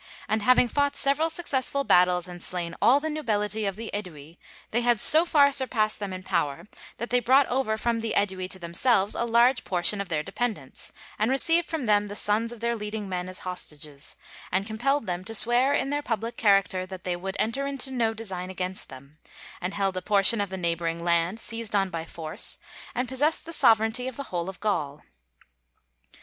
And having fought several successful battles and slain all the nobility of the Ædui, they had so far surpassed them in power that they brought over from the Ædui to themselves a large portion of their dependants, and received from them the sons of their leading men as hostages, and compelled them to swear in their public character that they would enter into no design against them; and held a portion of the neighboring land, seized on by force, and possessed the sovereignty of the whole of Gaul.